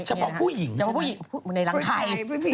จะบอกผู้หญิงใช่ไหมพวกมีรังไข่